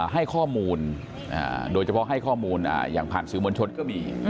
ให้ข้อมูลโดยเฉพาะให้ข้อมูลอย่างผ่านสื่อมวลชนก็มี